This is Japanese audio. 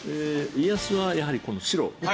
家康はやはりこの白。